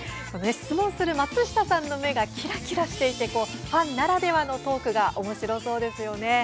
質問する松下さんの目がキラキラしていてファンならではのトークがおもしろそうですよね。